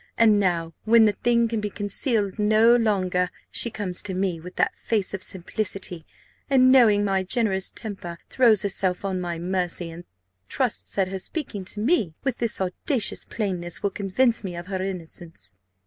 And now, when the thing can he concealed no longer, she comes to me with that face of simplicity, and knowing my generous temper, throws herself on my mercy, and trusts that her speaking to me with this audacious plainness will convince me of her innocence.